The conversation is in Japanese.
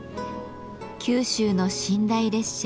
九州の寝台列車